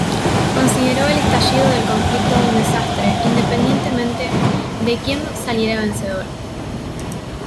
Consideró el estallido del conflicto un desastre, independientemente de quien saliera vencedor.